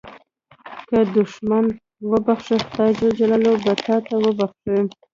که دوښمن وبخښې، خدای جل جلاله به تا وبخښي.